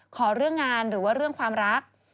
ขอเรื่องงานหรือว่าเรื่องความรัก